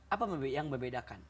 apa yang membedakan